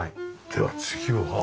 では次は。